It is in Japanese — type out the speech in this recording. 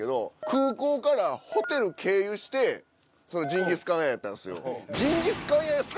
空港からホテル経由してそのジンギスカン屋やったんですよ。